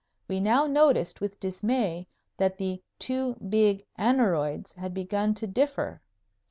We now noticed with dismay that the two big aneroids had begun to differ.